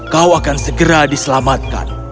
kau akan segera diselamatkan